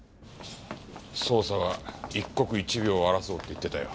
捜査は一刻一秒を争うって言ってたよ。